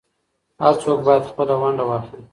هر څوک بايد خپله ونډه واخلي.